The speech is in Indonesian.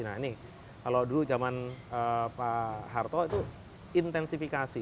nah ini kalau dulu zaman pak harto itu intensifikasi